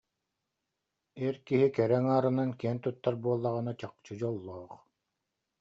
Эр киһи кэрэ аҥаарынан киэн туттар буоллаҕына, чахчы, дьоллоох